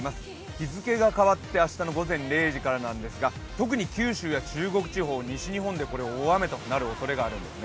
日付が変わって明日の午前０時からなんですが特に九州や中国地方、西日本で大雨になる見込みです。